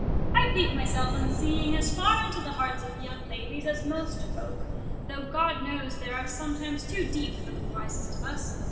"I pique myself on seeing as far into the hearts of young ladies as most folk, though God knows they are sometimes too deep for the wisest of us.